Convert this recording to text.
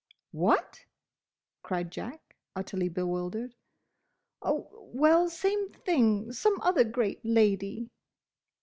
"What!" cried Jack, utterly bewildered. "Oh, well—same thing—some other great lady."